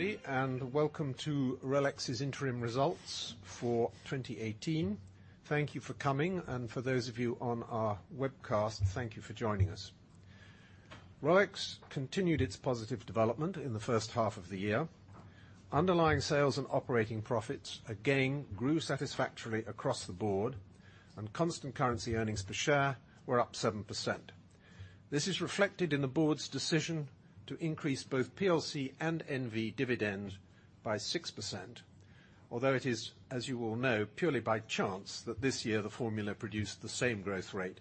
Everybody, welcome to RELX's interim results for 2018. Thank you for coming. For those of you on our webcast, thank you for joining us. RELX continued its positive development in the first half of the year. Underlying sales and operating profits again grew satisfactorily across the board, and constant currency earnings per share were up 7%. This is reflected in the board's decision to increase both PLC and NV dividends by 6%. Although it is, as you all know, purely by chance that this year the formula produced the same growth rate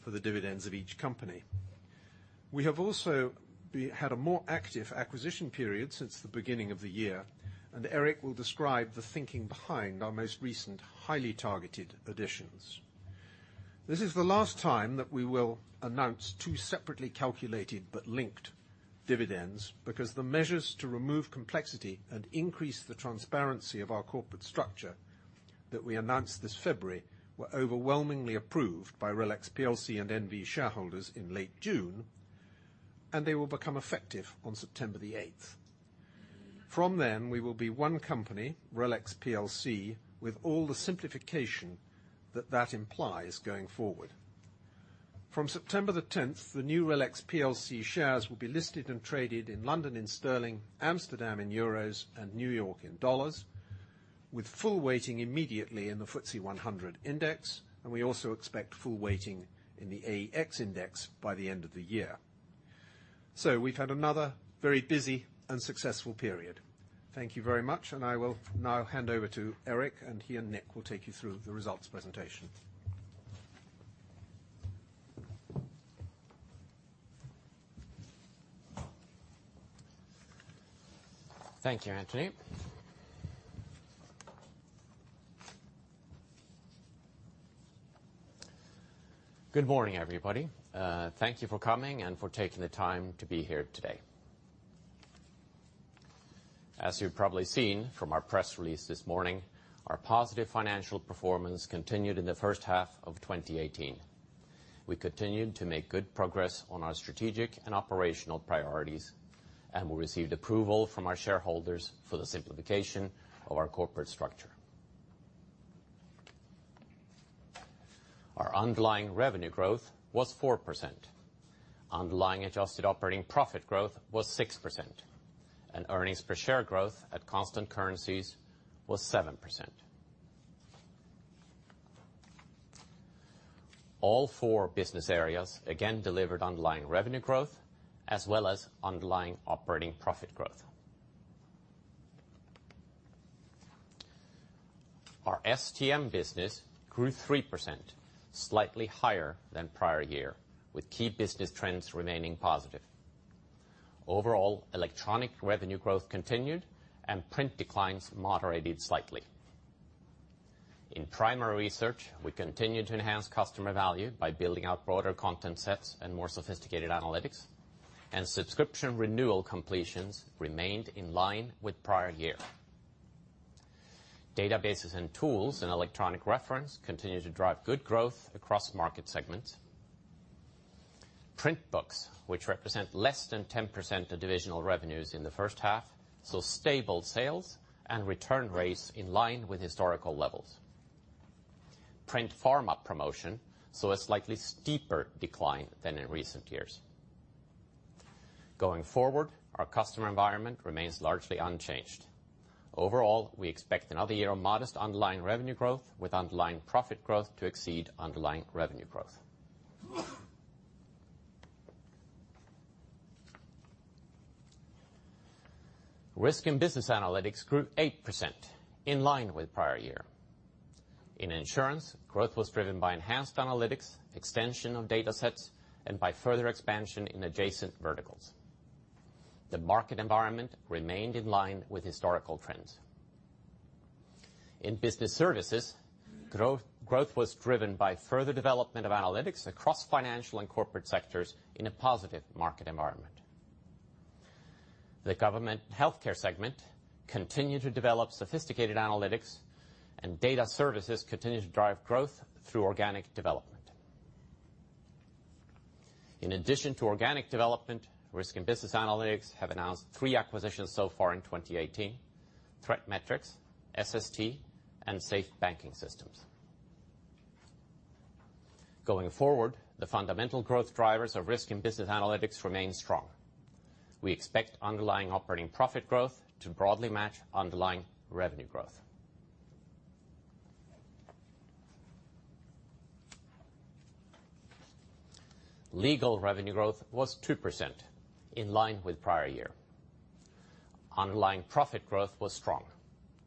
for the dividends of each company. We have also had a more active acquisition period since the beginning of the year, and Erik will describe the thinking behind our most recent highly targeted additions. This is the last time that we will announce two separately calculated but linked dividends, because the measures to remove complexity and increase the transparency of our corporate structure that we announced this February were overwhelmingly approved by RELX PLC and NV shareholders in late June, and they will become effective on September the 8th. From then, we will be one company, RELX PLC, with all the simplification that that implies going forward. From September the 10th, the new RELX PLC shares will be listed and traded in London in GBP, Amsterdam in EUR, and New York in USD, with full weighting immediately in the FTSE 100 index, and we also expect full weighting in the AEX index by the end of the year. We've had another very busy and successful period. Thank you very much, and I will now hand over to Erik, and he and Nick will take you through the results presentation. Thank you, Anthony. Good morning, everybody. Thank you for coming and for taking the time to be here today. As you've probably seen from our press release this morning, our positive financial performance continued in the first half of 2018. We continued to make good progress on our strategic and operational priorities, and we received approval from our shareholders for the simplification of our corporate structure. Our underlying revenue growth was 4%. Underlying adjusted operating profit growth was 6%, and earnings per share growth at constant currencies was 7%. All four business areas again delivered underlying revenue growth as well as underlying operating profit growth. Our STM business grew 3%, slightly higher than prior year, with key business trends remaining positive. Overall, electronic revenue growth continued, and print declines moderated slightly. In primary research, we continued to enhance customer value by building out broader content sets and more sophisticated analytics, and subscription renewal completions remained in line with prior year. Databases and tools and electronic reference continued to drive good growth across market segments. Print books, which represent less than 10% of divisional revenues in the first half, saw stable sales and return rates in line with historical levels. Print pharma promotion saw a slightly steeper decline than in recent years. Going forward, our customer environment remains largely unchanged. Overall, we expect another year of modest underlying revenue growth, with underlying profit growth to exceed underlying revenue growth. Risk and Business Analytics grew 8%, in line with prior year. In insurance, growth was driven by enhanced analytics, extension of data sets, and by further expansion in adjacent verticals. The market environment remained in line with historical trends. In business services, growth was driven by further development of analytics across financial and corporate sectors in a positive market environment. The government healthcare segment continued to develop sophisticated analytics, and data services continued to drive growth through organic development. In addition to organic development, Risk and Business Analytics have announced three acquisitions so far in 2018: ThreatMetrix, SST, and Safe Banking Systems. Going forward, the fundamental growth drivers of Risk and Business Analytics remain strong. We expect underlying operating profit growth to broadly match underlying revenue growth. Legal revenue growth was 2%, in line with prior year. Underlying profit growth was strong.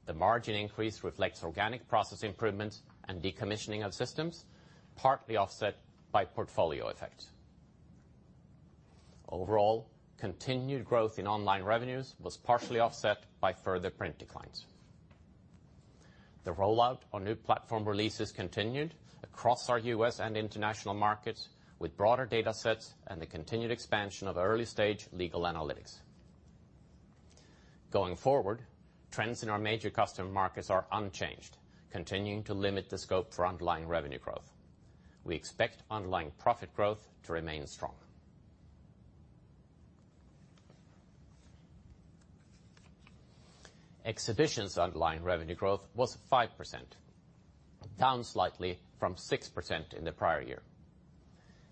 The margin increase reflects organic process improvements and decommissioning of systems, partly offset by portfolio effect. Overall, continued growth in online revenues was partially offset by further print declines. The rollout on new platform releases continued across our U.S. and international markets, with broader data sets and the continued expansion of early-stage legal analytics. Going forward, trends in our major customer markets are unchanged, continuing to limit the scope for underlying revenue growth. We expect underlying profit growth to remain strong. Exhibitions' underlying revenue growth was 5%, down slightly from 6% in the prior year.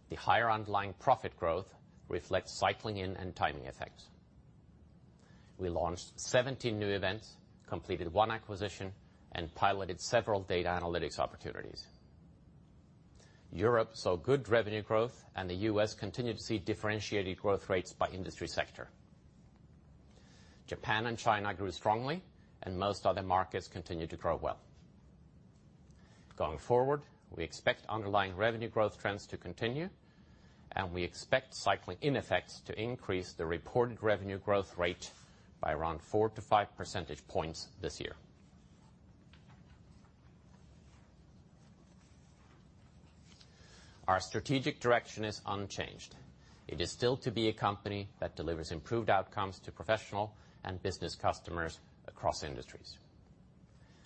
The higher underlying profit growth reflects cycling in and timing effects. We launched 17 new events, completed one acquisition, and piloted several data analytics opportunities. Europe saw good revenue growth, the U.S. continued to see differentiated growth rates by industry sector. Japan and China grew strongly, most other markets continued to grow well. Going forward, we expect underlying revenue growth trends to continue, and we expect cycling in effects to increase the reported revenue growth rate by around four to five percentage points this year. Our strategic direction is unchanged. It is still to be a company that delivers improved outcomes to professional and business customers across industries,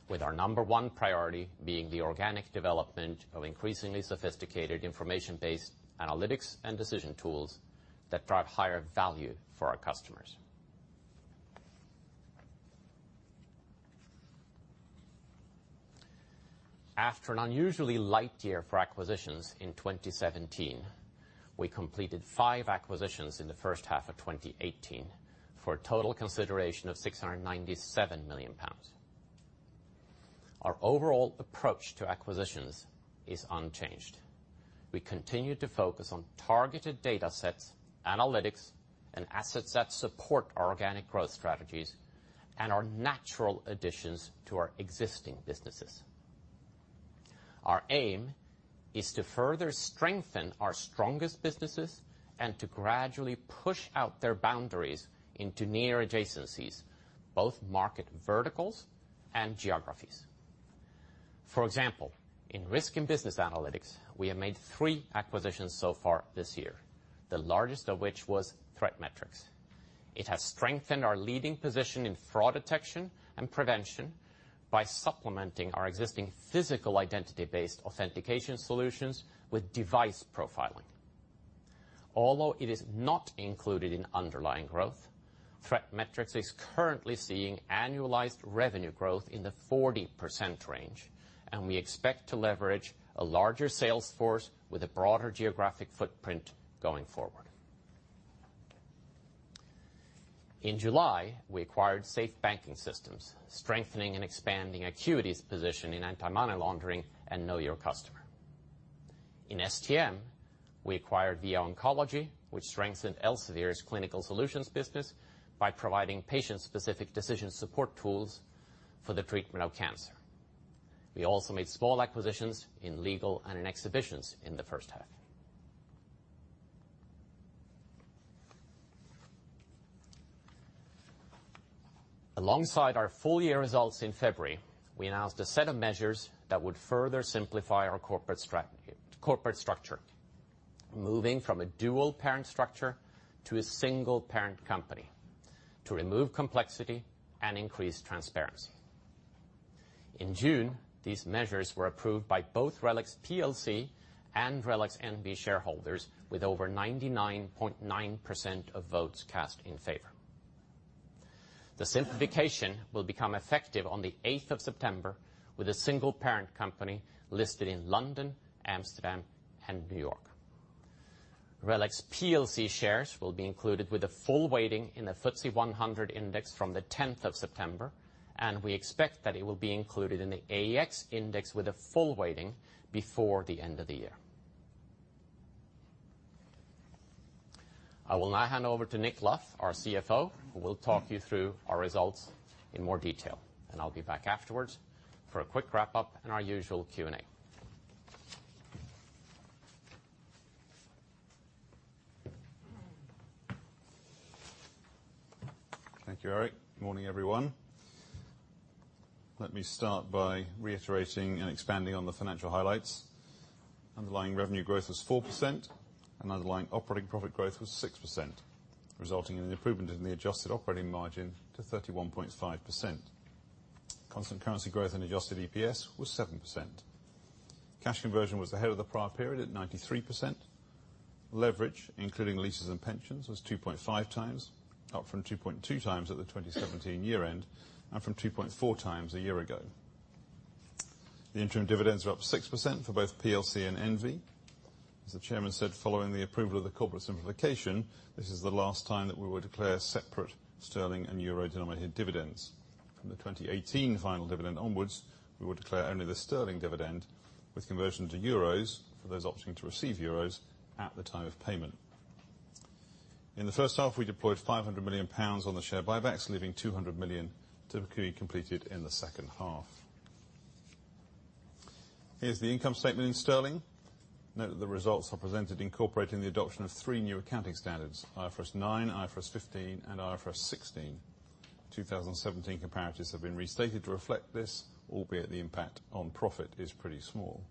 with our number one priority being the organic development of increasingly sophisticated information-based analytics and decision tools that drive higher value for our customers. After an unusually light year for acquisitions in 2017, we completed five acquisitions in the first half of 2018 for a total consideration of 697 million pounds. Our overall approach to acquisitions is unchanged. We continue to focus on targeted data sets, analytics, and assets that support our organic growth strategies and are natural additions to our existing businesses. Our aim is to further strengthen our strongest businesses and to gradually push out their boundaries into near adjacencies, both market verticals and geographies. For example, in Risk & Business Analytics, we have made three acquisitions so far this year, the largest of which was ThreatMetrix. It has strengthened our leading position in fraud detection and prevention by supplementing our existing physical identity-based authentication solutions with device profiling. Although it is not included in underlying growth, ThreatMetrix is currently seeing annualized revenue growth in the 40% range, and we expect to leverage a larger sales force with a broader geographic footprint going forward. In July, we acquired Safe Banking Systems, strengthening and expanding Accuity's position in anti-money laundering and Know Your Customer. In STM, we acquired Via Oncology, which strengthened Elsevier's clinical solutions business by providing patient-specific decision support tools for the treatment of cancer. We also made small acquisitions in legal and in exhibitions in the first half. Alongside our full year results in February, we announced a set of measures that would further simplify our corporate structure, moving from a dual-parent structure to a single-parent company to remove complexity and increase transparency. In June, these measures were approved by both RELX PLC and RELX NV shareholders, with over 99.9% of votes cast in favor. The simplification will become effective on the 8th of September, with a single-parent company listed in London, Amsterdam, and New York. RELX PLC shares will be included with a full weighting in the FTSE 100 index from the 10th of September, and we expect that it will be included in the AEX index with a full weighting before the end of the year. I will now hand over to Nick Luff, our CFO, who will talk you through our results in more detail. I'll be back afterwards for a quick wrap-up and our usual Q&A. Thank you, Erik. Morning, everyone. Let me start by reiterating and expanding on the financial highlights. Underlying revenue growth was 4%, and underlying operating profit growth was 6%, resulting in an improvement in the adjusted operating margin to 31.5%. Constant currency growth and adjusted EPS was 7%. Cash conversion was ahead of the prior period at 93%. Leverage, including leases and pensions, was 2.5 times, up from 2.2 times at the 2017 year-end, and from 2.4 times a year ago. The interim dividends were up 6% for both PLC and NV. As the Chairman said, following the approval of the corporate simplification, this is the last time that we will declare separate sterling and euro-denominated dividends. From the 2018 final dividend onwards, we will declare only the sterling dividend, with conversion to euros for those opting to receive euros at the time of payment. In the first half, we deployed 500 million pounds on the share buybacks, leaving 200 million to be completed in the second half. Here is the income statement in sterling. Note that the results are presented incorporating the adoption of three new accounting standards, IFRS 9, IFRS 15, and IFRS 16. 2017 comparatives have been restated to reflect this, albeit the impact on profit is pretty small.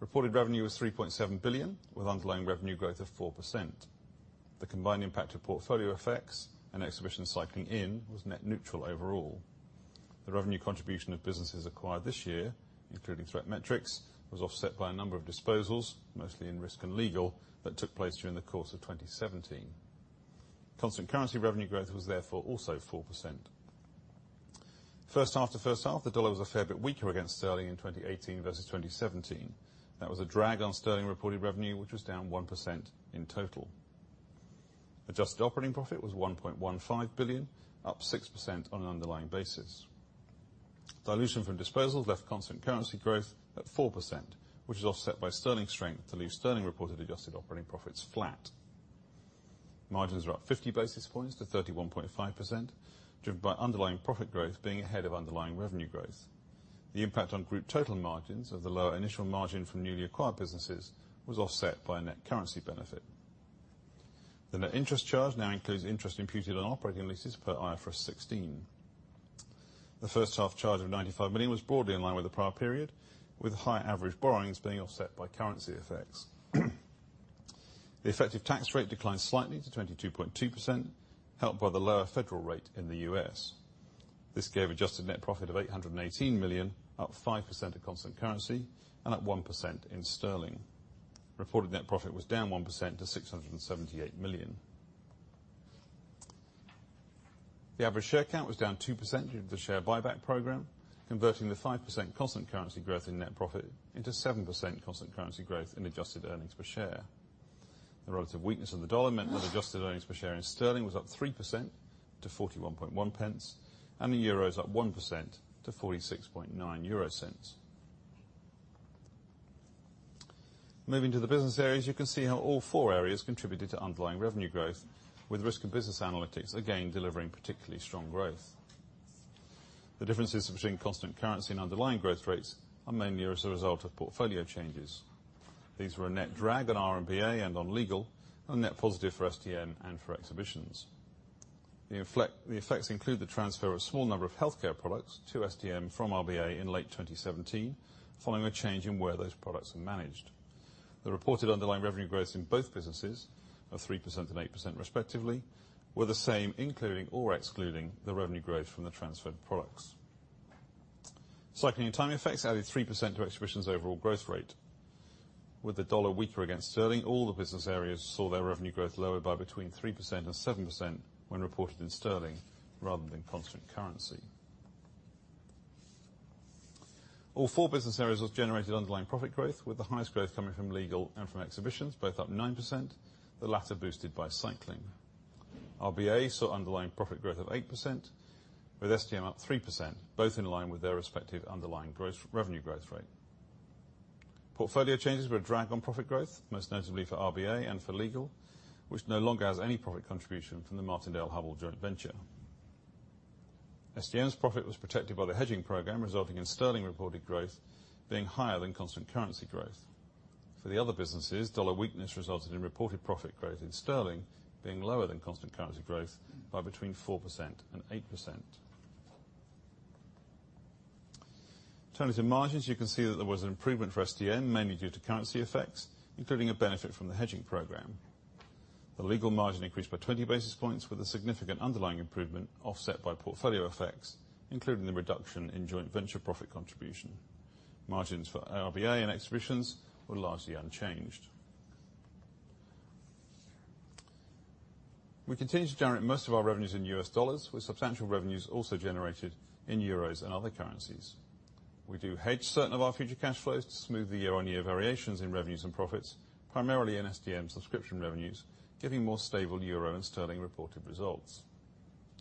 Reported revenue was 3.7 billion, with underlying revenue growth of 4%. The combined impact of portfolio effects and exhibition cycling was net neutral overall. The revenue contribution of businesses acquired this year, including ThreatMetrix, was offset by a number of disposals, mostly in Risk and Legal, that took place during the course of 2017. Constant currency revenue growth was therefore also 4%. First half to first half, the dollar was a fair bit weaker against sterling in 2018 versus 2017. That was a drag on sterling reported revenue, which was down 1% in total. Adjusted operating profit was 1.15 billion, up 6% on an underlying basis. Dilution from disposals left constant currency growth at 4%, which is offset by sterling strength to leave sterling reported adjusted operating profits flat. Margins are up 50 basis points to 31.5%, driven by underlying profit growth being ahead of underlying revenue growth. The impact on group total margins of the lower initial margin from newly acquired businesses was offset by a net currency benefit. The net interest charge now includes interest imputed on operating leases per IFRS 16. The first half charge of 95 million was broadly in line with the prior period, with higher average borrowings being offset by currency effects. The effective tax rate declined slightly to 22.2%, helped by the lower federal rate in the U.S. This gave adjusted net profit of 818 million, up 5% at constant currency and up 1% in sterling. Reported net profit was down 1% to 678 million. The average share count was down 2% due to the share buyback program, converting the 5% constant currency growth in net profit into 7% constant currency growth in adjusted earnings per share. The relative weakness in the dollar meant that adjusted earnings per share in sterling was up 3% to 0.411, and the euro is up 1% to 0.469. Moving to the business areas, you can see how all four areas contributed to underlying revenue growth, with Risk & Business Analytics again delivering particularly strong growth. The differences between constant currency and underlying growth rates are mainly as a result of portfolio changes. These were a net drag on R&BA and on Legal, and net positive for STM and for Exhibitions. The effects include the transfer of a small number of healthcare products to STM from RBA in late 2017, following a change in where those products are managed. The reported underlying revenue growth in both businesses of 3% and 8% respectively were the same, including or excluding the revenue growth from the transferred products. Cycling and timing effects added 3% to Exhibitions' overall growth rate. With the dollar weaker against sterling, all the business areas saw their revenue growth lowered by between 3% and 7% when reported in sterling rather than constant currency. All four business areas have generated underlying profit growth, with the highest growth coming from Legal and from Exhibitions, both up 9%, the latter boosted by cycling. RBA saw underlying profit growth of 8%, with STM up 3%, both in line with their respective underlying revenue growth rate. Portfolio changes were a drag on profit growth, most notably for RBA and for legal, which no longer has any profit contribution from the Martindale-Hubbell joint venture. STM's profit was protected by the hedging program, resulting in sterling reported growth being higher than constant currency growth. For the other businesses, dollar weakness resulted in reported profit growth in sterling being lower than constant currency growth by between 4% and 8%. Turning to margins, you can see that there was an improvement for STM, mainly due to currency effects, including a benefit from the hedging program. The legal margin increased by 20 basis points with a significant underlying improvement offset by portfolio effects, including the reduction in joint venture profit contribution. Margins for RBA and exhibitions were largely unchanged. We continue to generate most of our revenues in US dollars, with substantial revenues also generated in euros and other currencies. We do hedge certain of our future cash flows to smooth the year-on-year variations in revenues and profits, primarily in STM subscription revenues, giving more stable euro and sterling reported results.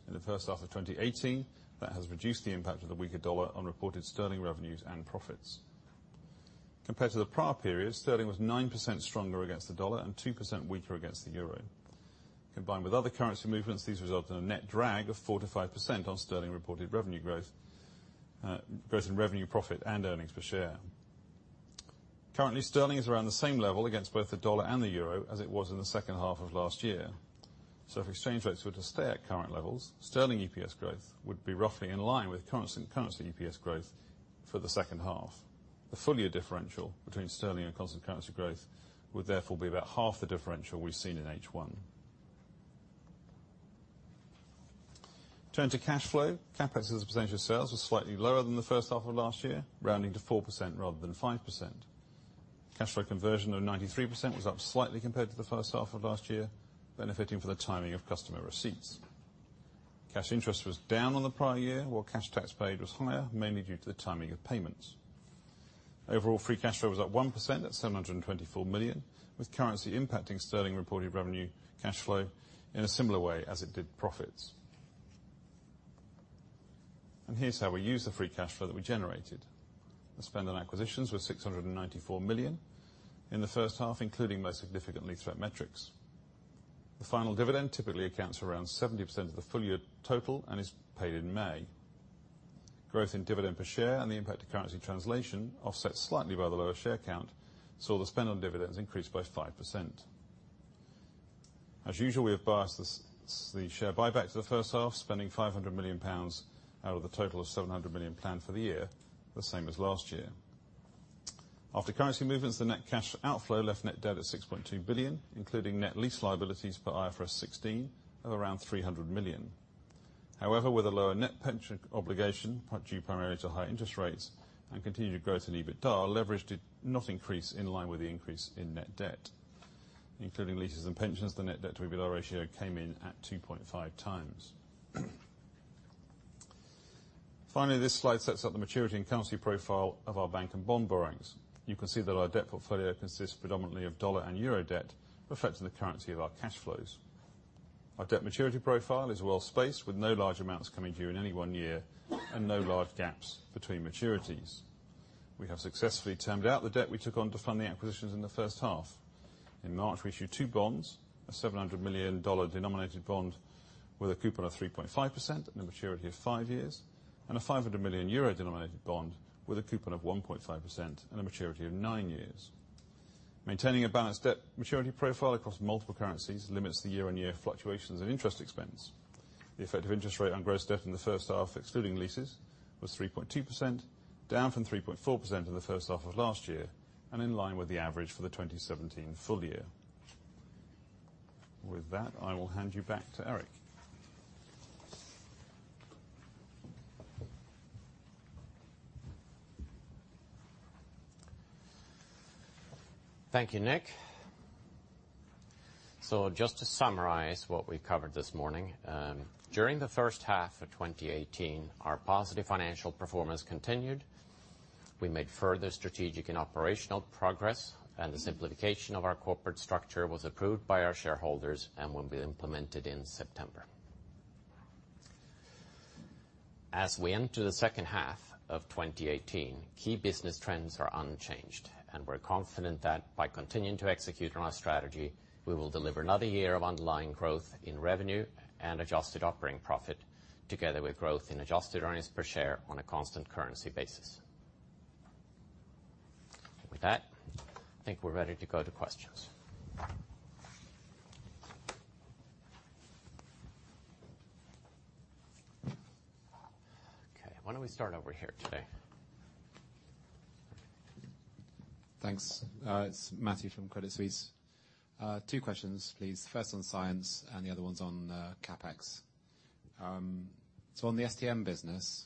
In the first half of 2018, that has reduced the impact of the weaker dollar on reported sterling revenues and profits. Compared to the prior period, sterling was 9% stronger against the dollar and 2% weaker against the euro. Combined with other currency movements, these result in a net drag of 4%-5% on sterling reported revenue growth in revenue, profit and earnings per share. Currently, sterling is around the same level against both the dollar and the euro as it was in the second half of last year. If exchange rates were to stay at current levels, sterling EPS growth would be roughly in line with constant currency EPS growth for the second half. The full year differential between sterling and constant currency growth would therefore be about half the differential we've seen in H1. Turning to cash flow, CapEx as a percentage of sales was slightly lower than the first half of last year, rounding to 4% rather than 5%. Cash flow conversion of 93% was up slightly compared to the first half of last year, benefiting from the timing of customer receipts. Cash interest was down on the prior year, while cash tax paid was higher, mainly due to the timing of payments. Overall, free cash flow was up 1% at 724 million, with currency impacting sterling reported revenue cash flow in a similar way as it did profits. Here's how we used the free cash flow that we generated. The spend on acquisitions was 694 million in the first half, including most significantly, ThreatMetrix. The final dividend typically accounts for around 70% of the full-year total and is paid in May. Growth in dividend per share and the impact of currency translation offset slightly by the lower share count, saw the spend on dividends increase by 5%. As usual, we have biased the share buyback to the first half, spending 500 million pounds out of the total of 700 million planned for the year, the same as last year. After currency movements, the net cash outflow left net debt at 6.2 billion, including net lease liabilities for IFRS 16 of around 300 million. However, with a lower net pension obligation, due primarily to high interest rates, and continued growth in EBITDA, leverage did not increase in line with the increase in net debt. Including leases and pensions, the net debt to EBITDA ratio came in at 2.5 times. Finally, this slide sets out the maturity and currency profile of our bank and bond borrowings. You can see that our debt portfolio consists predominantly of dollar and euro debt, reflecting the currency of our cash flows. Our debt maturity profile is well-spaced, with no large amounts coming due in any one year, and no large gaps between maturities. We have successfully termed out the debt we took on to fund the acquisitions in the first half. In March, we issued two bonds, a $700 million denominated bond with a coupon of 3.5% and a maturity of five years, and a 500 million euro denominated bond with a coupon of 1.5% and a maturity of nine years. Maintaining a balanced debt maturity profile across multiple currencies limits the year-on-year fluctuations in interest expense. The effect of interest rate on gross debt in the first half, excluding leases, was 3.2%, down from 3.4% in the first half of last year and in line with the average for the 2017 full year. With that, I will hand you back to Erik. Thank you, Nick. Just to summarize what we covered this morning. During the first half of 2018, our positive financial performance continued. We made further strategic and operational progress, and the simplification of our corporate structure was approved by our shareholders and will be implemented in September. As we enter the second half of 2018, key business trends are unchanged, and we're confident that by continuing to execute on our strategy, we will deliver another year of underlying growth in revenue and adjusted operating profit, together with growth in adjusted earnings per share on a constant currency basis. With that, I think we're ready to go to questions. Why don't we start over here today? Thanks. It's Matthew from Crédit Suisse. Two questions, please. First on science and the other one's on CapEx. On the STM business,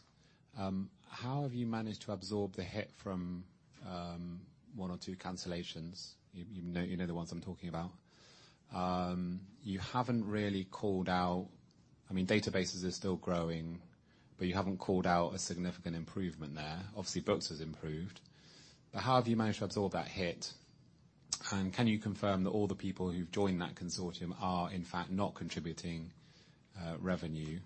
how have you managed to absorb the hit from one or two cancellations? You know the ones I'm talking about. You haven't really called out-- Databases are still growing, but you haven't called out a significant improvement there. Obviously, books has improved. How have you managed to absorb that hit? And can you confirm that all the people who've joined that consortium are, in fact, not contributing revenue?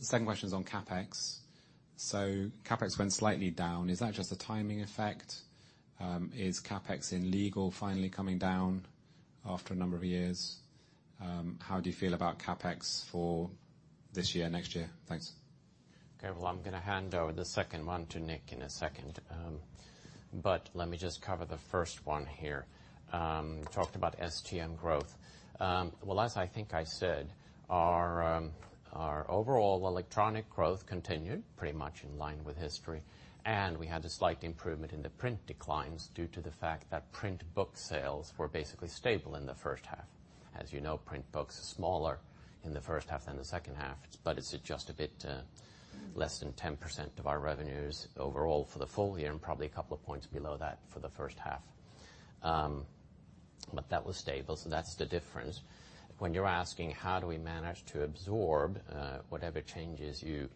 Second question is on CapEx. CapEx went slightly down. Is that just a timing effect? Is CapEx in legal finally coming down after a number of years? How do you feel about CapEx for this year, next year? Thanks. Okay, well, I'm going to hand over the second one to Nick in a second. Let me just cover the first one here. Talked about STM growth. Well, as I think I said, our overall electronic growth continued pretty much in line with history, and we had a slight improvement in the print declines due to the fact that print book sales were basically stable in the first half. As you know, print books are smaller in the first half than the second half, but it's just a bit less than 10% of our revenues overall for the full year and probably a couple of points below that for the first half. That was stable, that's the difference. When you're asking how do we manage to absorb whatever changes you're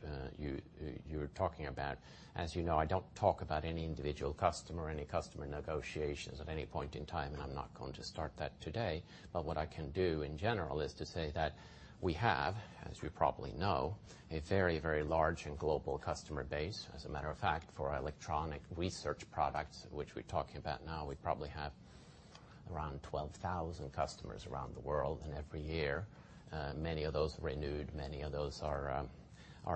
talking about, as you know, I don't talk about any individual customer or any customer negotiations at any point in time, and I'm not going to start that today. What I can do, in general, is to say that we have, as you probably know, a very, very large and global customer base. As a matter of fact, for our electronic research products, which we're talking about now, we probably have around 12,000 customers around the world. Every year, many of those are renewed, many of those are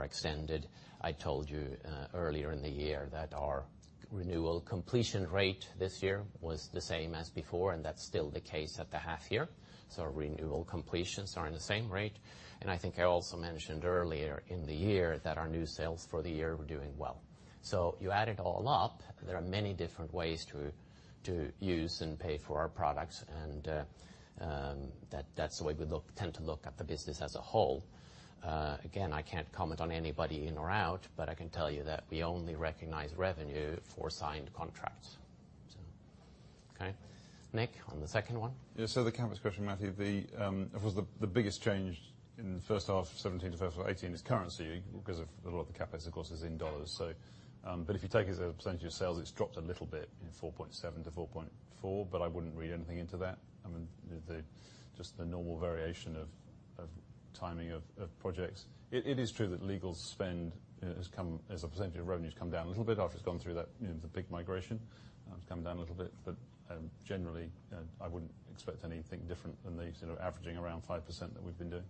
extended. I told you earlier in the year that our renewal completion rate this year was the same as before, and that's still the case at the half year. Renewal completions are in the same rate. I think I also mentioned earlier in the year that our new sales for the year were doing well. You add it all up, there are many different ways to use and pay for our products, and that's the way we tend to look at the business as a whole. Again, I can't comment on anybody in or out, but I can tell you that we only recognize revenue for signed contracts. Okay. Nick, on the second one. The CapEx question, Matthew. The biggest change in the first half of 2017 to first of 2018 is currency because a lot of the CapEx, of course, is in dollars. If you take it as a percentage of sales, it's dropped a little bit in 4.7% to 4.4%, but I wouldn't read anything into that. Just the normal variation of timing of projects. It is true that legal spend as a percentage of revenue has come down a little bit after it's gone through the big migration. It's come down a little bit, generally, I wouldn't expect anything different than the averaging around 5% that we've been doing.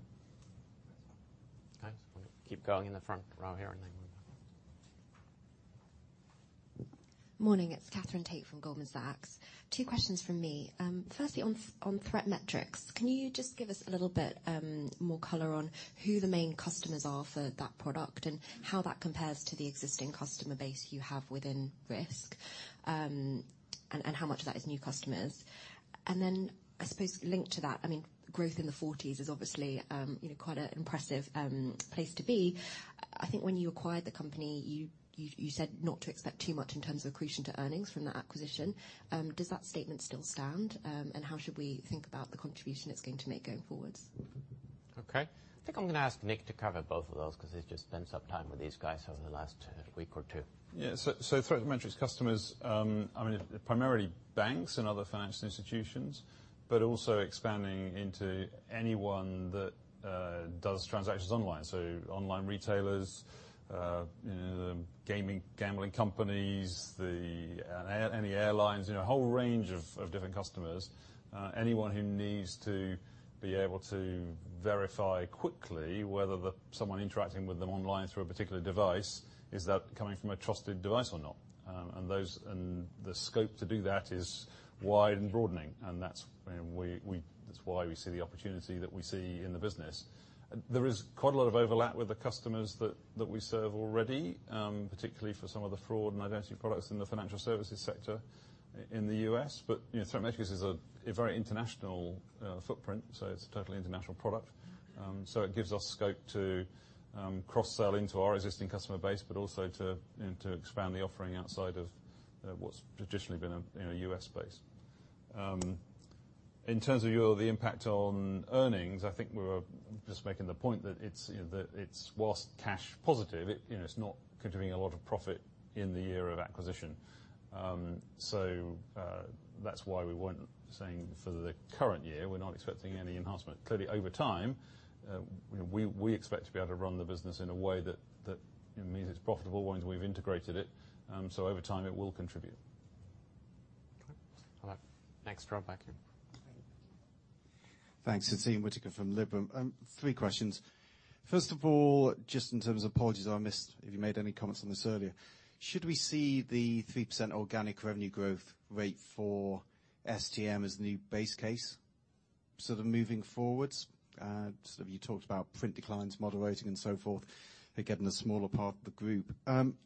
Okay. We'll keep going in the front row here, then we'll go Morning. It's Katherine Tait from Goldman Sachs. Two questions from me. Firstly, on ThreatMetrix, can you just give us a little bit more color on who the main customers are for that product and how that compares to the existing customer base you have within Risk? How much of that is new customers? I suppose linked to that, growth in the 40s is obviously quite an impressive place to be. I think when you acquired the company, you said not to expect too much in terms of accretion to earnings from that acquisition. Does that statement still stand? How should we think about the contribution it's going to make going forwards? Okay. I think I'm going to ask Nick to cover both of those because he's just spent some time with these guys over the last week or two. Yeah. ThreatMetrix customers, primarily banks and other financial institutions, but also expanding into anyone that does transactions online. Online retailers, gaming, gambling companies, any airlines. A whole range of different customers. Anyone who needs to be able to verify quickly whether someone interacting with them online through a particular device, is that coming from a trusted device or not? The scope to do that is wide and broadening, and that's why we see the opportunity that we see in the business. There is quite a lot of overlap with the customers that we serve already, particularly for some of the fraud and identity products in the financial services sector in the U.S. ThreatMetrix is a very international footprint, so it's a totally international product. It gives us scope to cross-sell into our existing customer base, also to expand the offering outside of what's traditionally been a U.S. base. In terms of the impact on earnings, I think we were just making the point that whilst cash positive, it's not contributing a lot of profit in the year of acquisition. That's why we weren't saying for the current year, we're not expecting any enhancement. Clearly, over time, we expect to be able to run the business in a way that it means it's profitable once we've integrated it. Over time, it will contribute. Okay. Next, draw back here. Great. Thanks. Ian Richard Whittaker from Liberum. Three questions. First of all, just in terms of, apologies if I missed if you made any comments on this earlier, should we see the 3% organic revenue growth rate for STM as the new base case sort of moving forwards? You talked about print declines moderating and so forth. They're getting a smaller part of the group.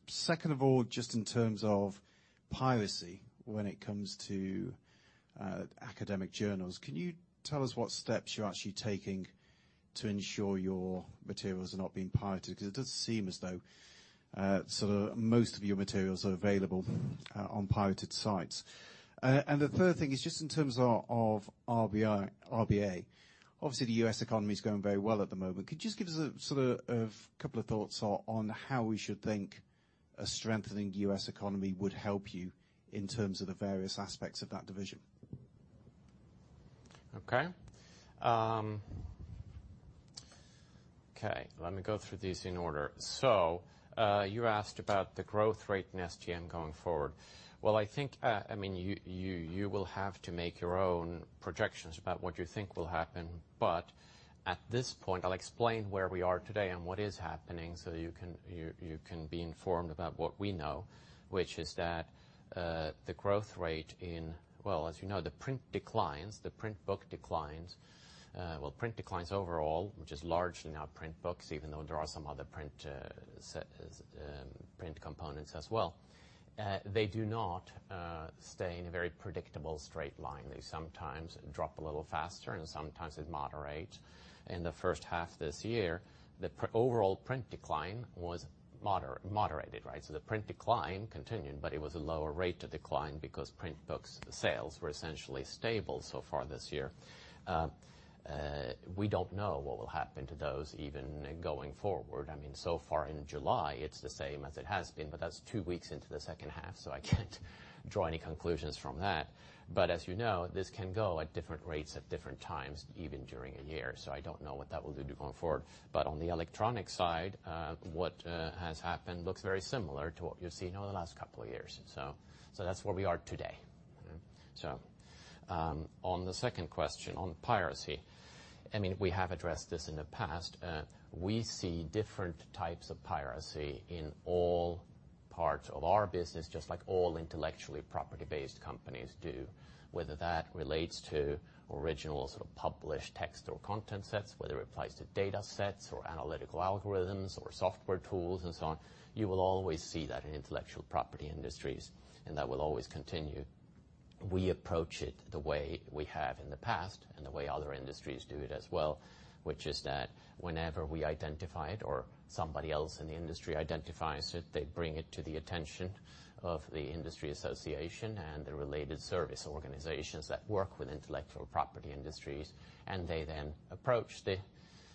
Second of all, just in terms of piracy when it comes to academic journals, can you tell us what steps you're actually taking to ensure your materials are not being pirated? Because it does seem as though most of your materials are available on pirated sites. The third thing is just in terms of RBA. Obviously, the U.S. economy is going very well at the moment. Could you just give us a couple of thoughts on how we should think a strengthening U.S. economy would help you in terms of the various aspects of that division? Okay. Let me go through these in order. You asked about the growth rate in STM going forward. You will have to make your own projections about what you think will happen. At this point, I'll explain where we are today and what is happening so you can be informed about what we know, which is that the growth rate in, well, as you know, the print declines, the print book declines. Print declines overall, which is largely now print books, even though there are some other print components as well. They do not stay in a very predictable straight line. They sometimes drop a little faster, and sometimes they moderate. In the first half of this year, the overall print decline was moderated, right? The print decline continued, but it was a lower rate of decline because print books sales were essentially stable so far this year. We don't know what will happen to those even going forward. In July, it's the same as it has been, but that's two weeks into the second half, so I can't draw any conclusions from that. As you know, this can go at different rates at different times, even during a year. I don't know what that will do going forward. On the electronic side, what has happened looks very similar to what you've seen over the last couple of years. That's where we are today. On the second question on piracy, we have addressed this in the past. We see different types of piracy in all parts of our business, just like all intellectuall property-based companies do. Whether that relates to original sort of published text or content sets, whether it applies to data sets or analytical algorithms or software tools and so on, you will always see that in intellectual property industries, and that will always continue. We approach it the way we have in the past and the way other industries do it as well, which is that whenever we identify it or somebody else in the industry identifies it, they bring it to the attention of the industry association and the related service organizations that work with intellectual property industries. They then approach the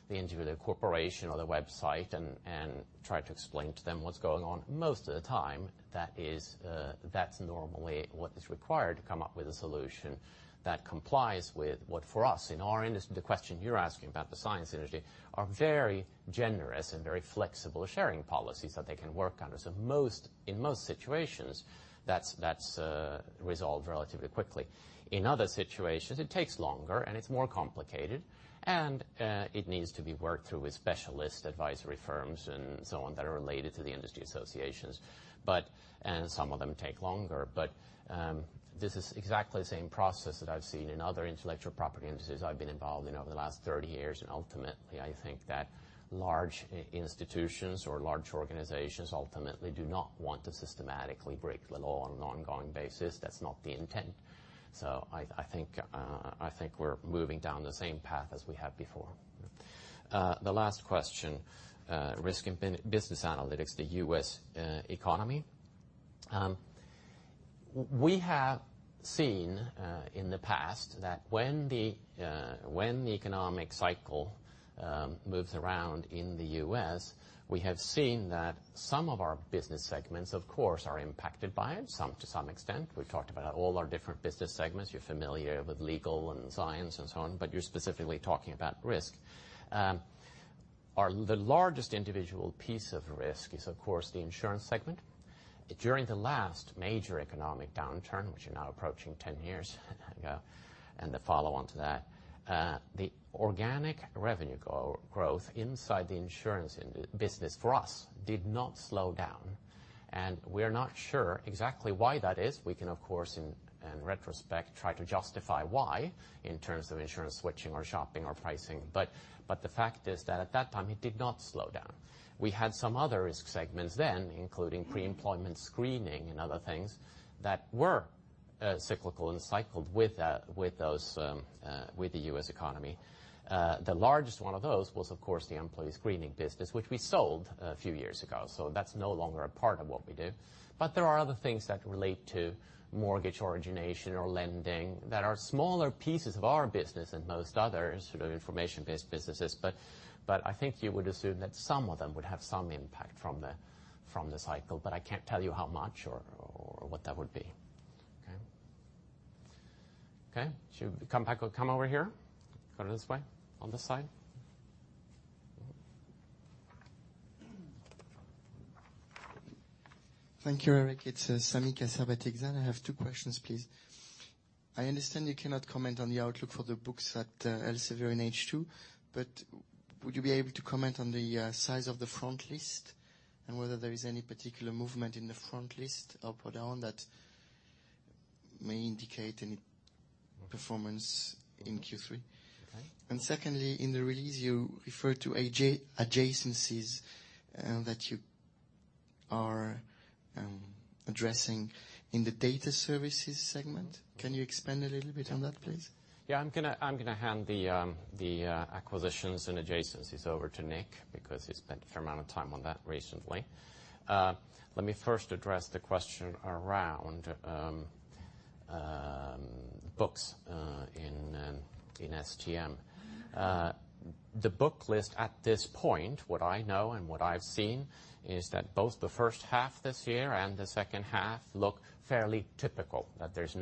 individual corporation or the website and try to explain to them what's going on. Most of the time, that's normally what is required to come up with a solution that complies with what for us, in our industry, the question you're asking about the science industry, are very generous and very flexible sharing policies that they can work under. In most situations, that's resolved relatively quickly. In other situations, it takes longer and it's more complicated, and it needs to be worked through with specialist advisory firms and so on, that are related to the industry associations. Some of them take longer. This is exactly the same process that I've seen in other intellectual property industries I've been involved in over the last 30 years. Ultimately, I think that large institutions or large organizations ultimately do not want to systematically break the law on an ongoing basis. That's not the intent. I think we're moving down the same path as we have before. The last question, Risk & Business Analytics, the U.S. economy. We have seen in the past that when the economic cycle moves around in the U.S., we have seen that some of our business segments, of course, are impacted by it, to some extent. We've talked about all our different business segments. You're familiar with legal and science and so on, but you're specifically talking about Risk. The largest individual piece of Risk is, of course, the insurance segment. During the last major economic downturn, which are now approaching 10 years ago, and the follow-on to that, the organic revenue growth inside the insurance business for us did not slow down, and we're not sure exactly why that is. We can, of course, in retrospect, try to justify why, in terms of insurance switching or shopping or pricing. The fact is that at that time, it did not slow down. We had some other Risk segments then, including pre-employment screening and other things, that were cyclical and cycled with the U.S. economy. The largest one of those was, of course, the employee screening business, which we sold a few years ago. That's no longer a part of what we do. There are other things that relate to mortgage origination or lending that are smaller pieces of our business than most others, sort of information-based businesses. I think you would assume that some of them would have some impact from the cycle, but I can't tell you how much or what that would be. Okay. Okay, come over here. Go this way, on this side. Thank you, Erik. It's Sami Kassab, Exane BNP Paribas. I have two questions please. I understand you cannot comment on the outlook for the books at Elsevier in H2, would you be able to comment on the size of the front list and whether there is any particular movement in the front list up or down that may indicate any performance in Q3? Okay. Secondly, in the release you refer to adjacencies that you are addressing in the data services segment. Can you expand a little bit on that, please? I'm going to hand the acquisitions and adjacencies over to Nick because he spent a fair amount of time on that recently. Let me first address the question around books in STM. The book list at this point, what I know and what I've seen, is that both the first half this year and the second half look fairly typical. There was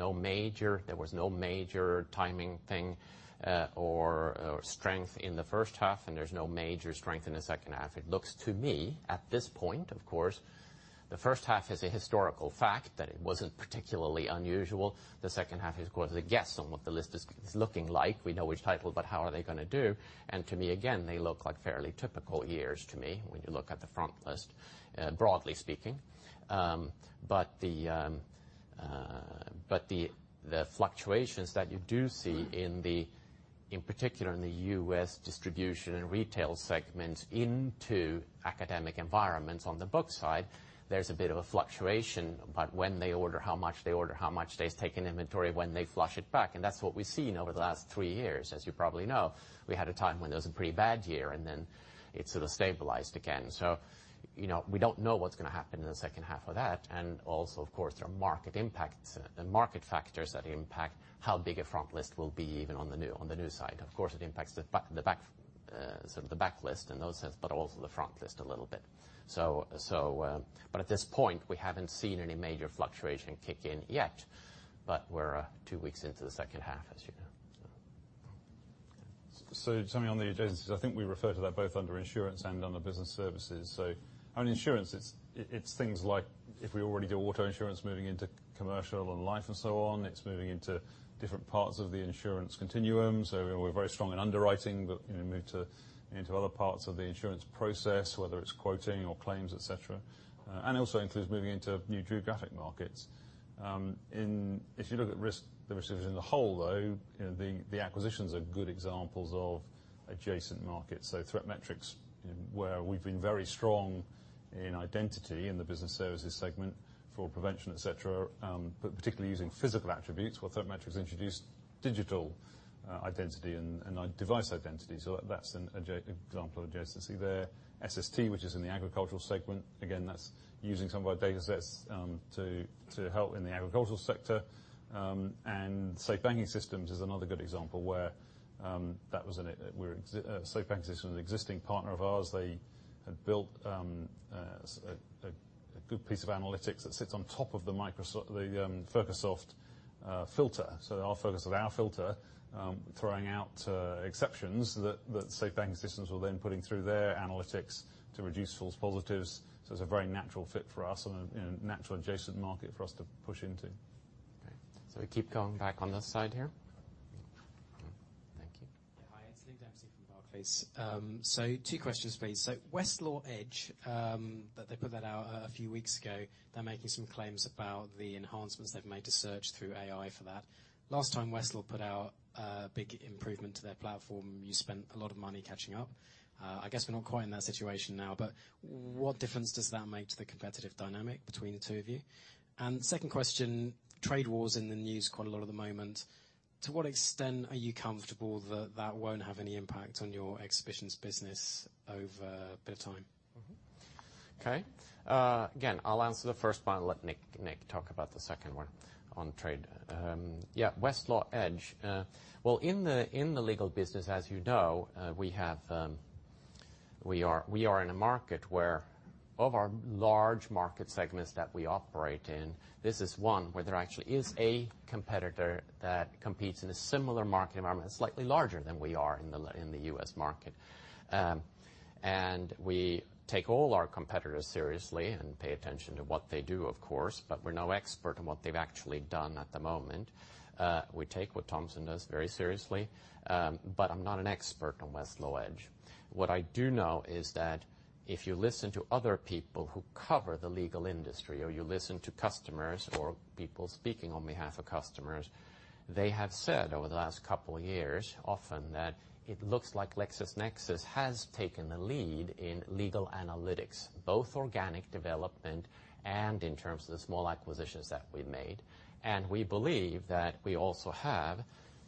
no major timing thing or strength in the first half, and there's no major strength in the second half. It looks to me at this point, of course, the first half is a historical fact that it wasn't particularly unusual. The second half is, of course, a guess on what the list is looking like. We know which title, but how are they going to do? To me, again, they look like fairly typical years to me when you look at the front list, broadly speaking. The fluctuations that you do see in particular in the U.S. distribution and retail segment into academic environments on the book side, there's a bit of a fluctuation about when they order, how much they order, how much they've taken inventory, when they flush it back, and that's what we've seen over the last 3 years. As you probably know, we had a time when there was a pretty bad year, and then it sort of stabilized again. We don't know what's going to happen in the second half of that. Also, of course, there are market impacts and market factors that impact how big a front list will be even on the new side. Of course, it impacts the backlist in those sense, but also the frontlist a little bit. At this point, we haven't seen any major fluctuation kick in yet, but we're 2 weeks into the second half as you know. Sami, on the adjacencies, I think we refer to that both under insurance and under business services. On insurance, it's things like if we already do auto insurance moving into commercial and life and so on, it's moving into different parts of the insurance continuum. We're very strong in underwriting, but move into other parts of the insurance process, whether it's quoting or claims, et cetera. It also includes moving into new geographic markets. If you look at risk services in the whole though, the acquisitions are good examples of adjacent markets. ThreatMetrix, where we've been very strong in identity in the business services segment for prevention, et cetera. Particularly using physical attributes. Well, ThreatMetrix introduced digital identity and device identity. That's an example of adjacency there. SST, which is in the agricultural segment, again, that's using some of our datasets to help in the agricultural sector. Safe Banking Systems is another good example where Safe Banking Systems is an existing partner of ours. They had built a good piece of analytics that sits on top of the Fircosoft filter. The focus of our filter, throwing out exceptions that Safe Banking Systems were then putting through their analytics to reduce false positives. It's a very natural fit for us and a natural adjacent market for us to push into. Okay. We keep going back on this side here. Thank you. Hi, it's Nick Dempsey from Barclays. Two questions, please. Westlaw Edge, they put that out a few weeks ago. They're making some claims about the enhancements they've made to search through AI for that. Last time Westlaw put out a big improvement to their platform, you spent a lot of money catching up. I guess we're not quite in that situation now, but what difference does that make to the competitive dynamic between the two of you? Second question, trade wars in the news quite a lot at the moment. To what extent are you comfortable that that won't have any impact on your exhibitions business over a bit of time? Okay. Again, I'll answer the first one and let Nick talk about the second one on trade. Yeah, Westlaw Edge. Well, in the legal business, as you know, we are in a market where, of our large market segments that we operate in, this is one where there actually is a competitor that competes in a similar market environment, slightly larger than we are in the U.S. market. We take all our competitors seriously and pay attention to what they do, of course, but we're no expert in what they've actually done at the moment. We take what Thomson does very seriously, but I'm not an expert on Westlaw Edge. What I do know is that if you listen to other people who cover the legal industry, or you listen to customers, or people speaking on behalf of customers, they have said over the last couple of years, often, that it looks like LexisNexis has taken the lead in legal analytics, both organic development and in terms of the small acquisitions that we've made. We believe that we also have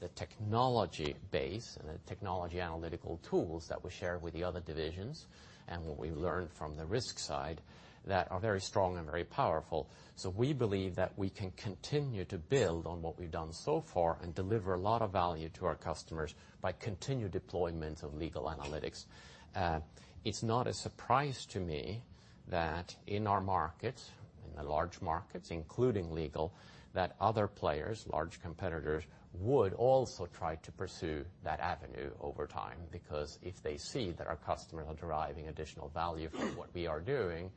the technology base and the technology analytical tools that we share with the other divisions, and what we learned from the risk side, that are very strong and very powerful. We believe that we can continue to build on what we've done so far and deliver a lot of value to our customers by continued deployment of legal analytics. It's not a surprise to me that in our market, in the large markets, including legal, that other players, large competitors, would also try to pursue that avenue over time, because if they see that our customers are deriving additional value from what we are doing,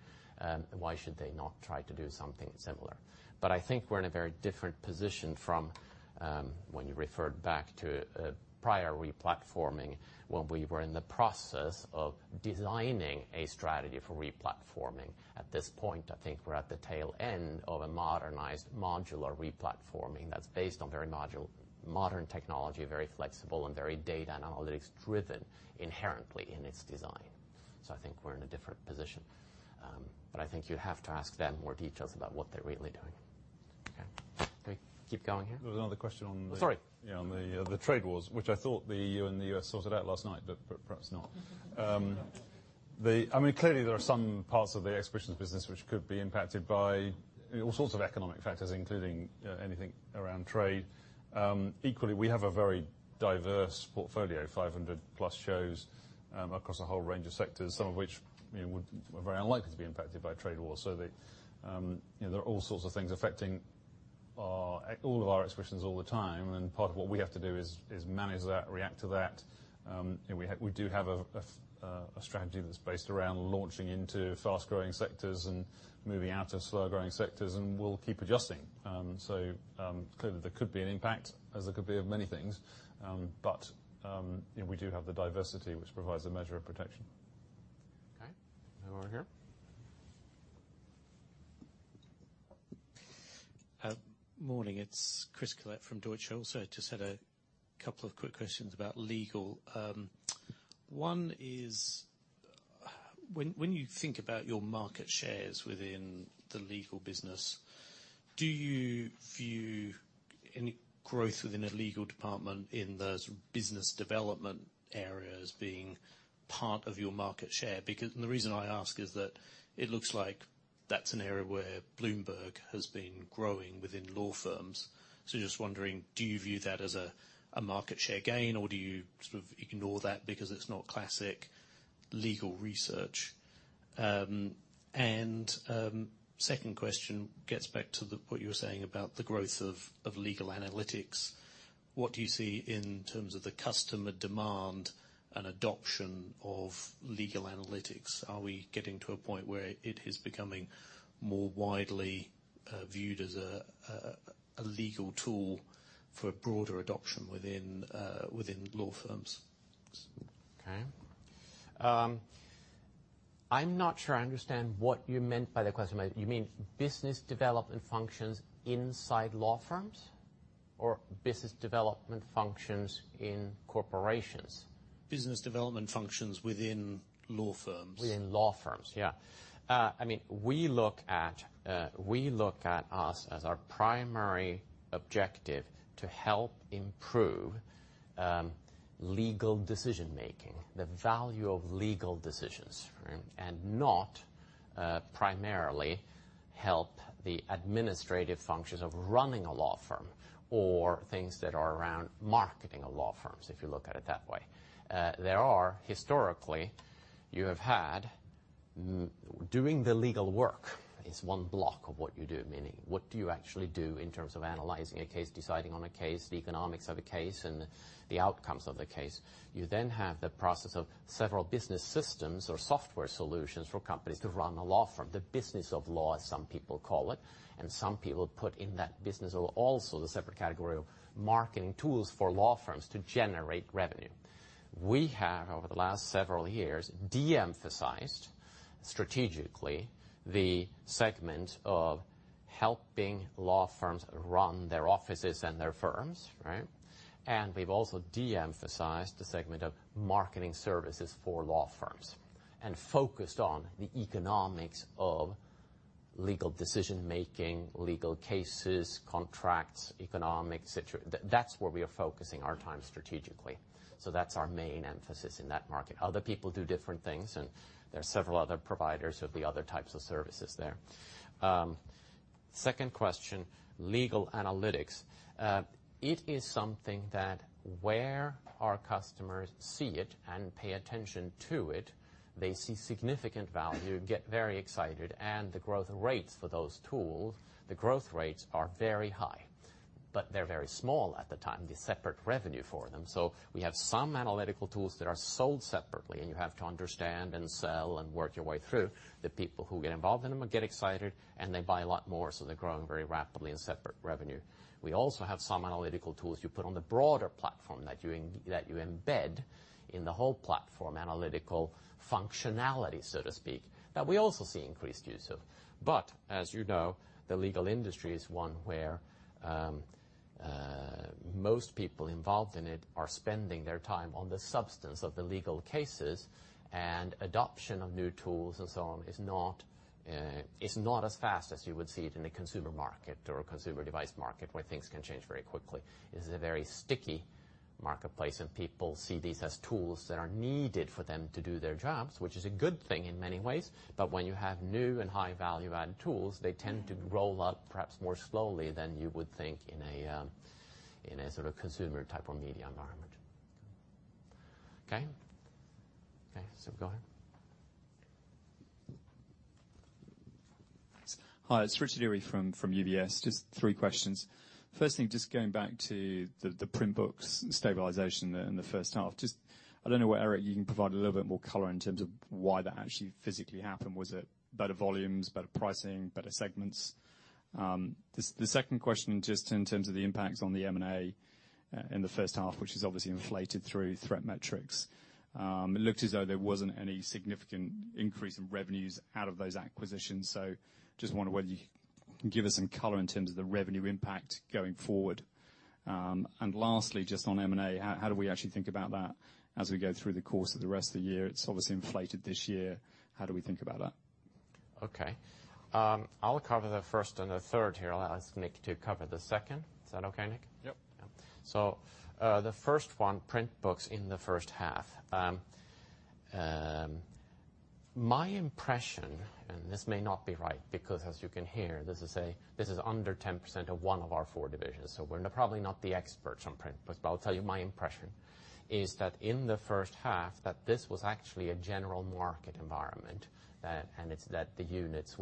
why should they not try to do something similar? I think we're in a very different position from when you referred back to prior re-platforming, when we were in the process of designing a strategy for re-platforming. At this point, I think we're at the tail end of a modernized modular re-platforming that's based on very modern technology, very flexible, and very data analytics driven inherently in its design. I think we're in a different position. I think you'd have to ask them more details about what they're really doing. Okay. Can we keep going here? There was another question. Sorry on the trade wars, which I thought the EU and the U.S. sorted out last night, but perhaps not. Clearly, there are some parts of the exhibitions business which could be impacted by all sorts of economic factors, including anything around trade. Equally, we have a very diverse portfolio, 500+ shows, across a whole range of sectors, some of which are very unlikely to be impacted by trade wars. There are all sorts of things affecting all of our exhibitions all the time. Part of what we have to do is manage that, react to that. We do have a strategy that's based around launching into fast-growing sectors and moving out of slow-growing sectors, and we'll keep adjusting. Clearly there could be an impact, as there could be of many things. We do have the diversity, which provides a measure of protection. Okay. Now over here. Morning, it's Chris Collett from Deutsche. Just had a couple of quick questions about legal. One is, when you think about your market shares within the legal business, do you view any growth within a legal department in those business development areas being part of your market share? The reason I ask is that it looks like that's an area where Bloomberg has been growing within law firms. Just wondering, do you view that as a market share gain, or do you sort of ignore that because it's not classic legal research? Second question gets back to what you were saying about the growth of legal analytics. What do you see in terms of the customer demand and adoption of legal analytics? Are we getting to a point where it is becoming more widely viewed as a legal tool for broader adoption within law firms? Okay. I'm not sure I understand what you meant by the question. You mean business development functions inside law firms or business development functions in corporations? Business development functions within law firms. Within law firms. Yeah. We look at us as our primary objective to help improve legal decision-making, the value of legal decisions, and not primarily help the administrative functions of running a law firm, or things that are around marketing of law firms, if you look at it that way. Historically, you have had Doing the legal work is one block of what you do. Meaning, what do you actually do in terms of analyzing a case, deciding on a case, the economics of a case, and the outcomes of the case? You then have the process of several business systems or software solutions for companies to run a law firm, the business of law, as some people call it, and some people put in that business also the separate category of marketing tools for law firms to generate revenue. We have, over the last several years, de-emphasized, strategically, the segment of helping law firms run their offices and their firms. Right? We've also de-emphasized the segment of marketing services for law firms and focused on the economics of legal decision-making, legal cases, contracts, economics, et cetera. That's where we are focusing our time strategically. That's our main emphasis in that market. Other people do different things, and there are several other providers of the other types of services there. Second question, legal analytics. It is something that where our customers see it and pay attention to it, they see significant value, get very excited, and the growth rates for those tools, the growth rates are very high. They're very small at the time, the separate revenue for them. We have some analytical tools that are sold separately, and you have to understand and sell and work your way through. The people who get involved in them get excited, and they buy a lot more, so they're growing very rapidly in separate revenue. We also have some analytical tools you put on the broader platform that you embed in the whole platform, analytical functionality, so to speak, that we also see increased use of. As you know, the legal industry is one where most people involved in it are spending their time on the substance of the legal cases, and adoption of new tools and so on is not as fast as you would see it in a consumer market or a consumer device market, where things can change very quickly. This is a very sticky marketplace, and people see these as tools that are needed for them to do their jobs, which is a good thing in many ways. When you have new and high value-added tools, they tend to roll out perhaps more slowly than you would think in a consumer type or media environment. Okay? Okay. Go ahead. Hi, it's Richard Eary from UBS. Just three questions. First thing, going back to the print books stabilization in the first half. I don't know whether, Erik, you can provide a little bit more color in terms of why that actually physically happened. Was it better volumes, better pricing, better segments? The second question, in terms of the impacts on the M&A in the first half, which is obviously inflated through ThreatMetrix. It looked as though there wasn't any significant increase in revenues out of those acquisitions. Wonder whether you can give us some color in terms of the revenue impact going forward. Lastly, on M&A, how do we actually think about that as we go through the course of the rest of the year? It's obviously inflated this year. How do we think about that? Okay. I'll cover the first and the third here. I'll ask Nick to cover the second. Is that okay, Nick? Yep. The first one, print books in the first half. My impression, and this may not be right, because as you can hear, this is under 10% of one of our four divisions, so we're probably not the experts on print books. I'll tell you my impression, is that in the first half, that this was actually a general market environment, and it's that the unit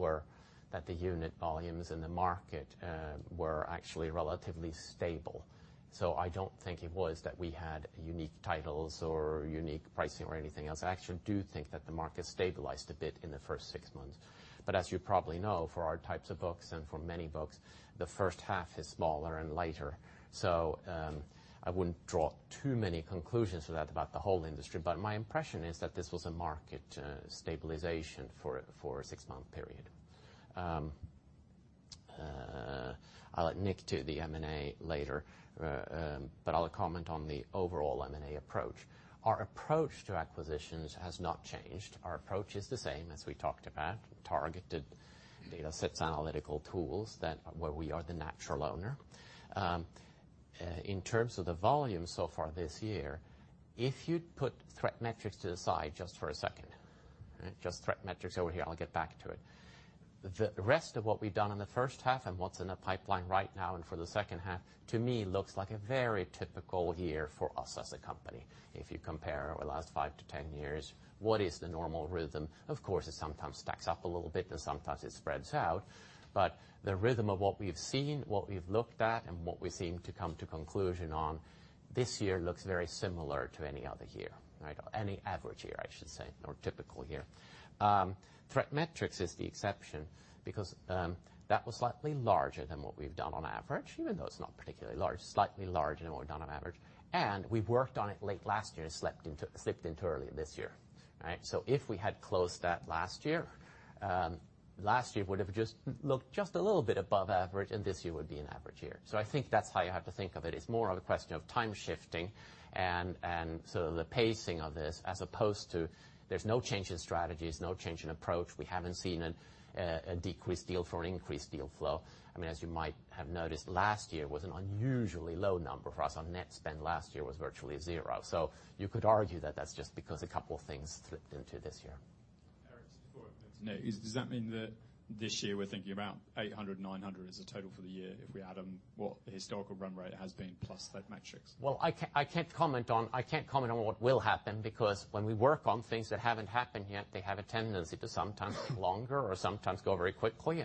volumes in the market were actually relatively stable. I don't think it was that we had unique titles or unique pricing or anything else. I actually do think that the market stabilized a bit in the first six months. As you probably know, for our types of books and for many books, the first half is smaller and lighter. I wouldn't draw too many conclusions from that about the whole industry. My impression is that this was a market stabilization for a six-month period. I'll let Nick do the M&A later, but I'll comment on the overall M&A approach. Our approach to acquisitions has not changed. Our approach is the same as we talked about, targeted data sets, analytical tools, where we are the natural owner. In terms of the volume so far this year, if you put ThreatMetrix to the side for a second, ThreatMetrix over here, I'll get back to it. The rest of what we've done in the first half and what's in the pipeline right now and for the second half, to me, looks like a very typical year for us as a company. If you compare over the last five to 10 years, what is the normal rhythm? Of course, it sometimes stacks up a little bit and sometimes it spreads out. The rhythm of what we've seen, what we've looked at, and what we seem to come to conclusion on this year looks very similar to any other year. Right? Any average year, I should say, or typical year. ThreatMetrix is the exception because that was slightly larger than what we've done on average, even though it's not particularly large, slightly larger than what we've done on average. We've worked on it late last year, slipped into early this year. Right? If we had closed that last year, last year would have just looked just a little bit above average, and this year would be an average year. I think that's how you have to think of it. It's more of a question of time shifting and the pacing of this as opposed to there's no change in strategies, no change in approach. We haven't seen a decreased deal flow or an increased deal flow. As you might have noticed, last year was an unusually low number for us. Our net spend last year was virtually zero. You could argue that that's just because a couple of things slipped into this year. Does that mean that this year we're thinking about 800, 900 as a total for the year if we add on what the historical run rate has been plus ThreatMetrix? I can't comment on what will happen because when we work on things that haven't happened yet, they have a tendency to sometimes take longer or sometimes go very quickly.